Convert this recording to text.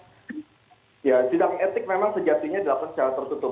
ya sidang etik memang sejatinya dilakukan secara tertutup